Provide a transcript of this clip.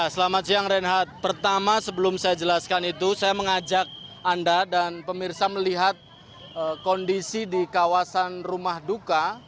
selamat siang reinhardt pertama sebelum saya jelaskan itu saya mengajak anda dan pemirsa melihat kondisi di kawasan rumah duka